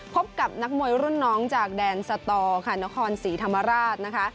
พบกับนักมวยรุ่นน้องจากแดนสตอค่ะนครศรีธรรมราชนะคะ